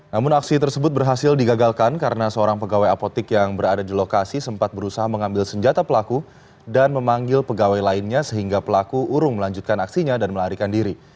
namun aksi tersebut berhasil digagalkan karena seorang pegawai apotik yang berada di lokasi sempat berusaha mengambil senjata pelaku dan memanggil pegawai lainnya sehingga pelaku urung melanjutkan aksinya dan melarikan diri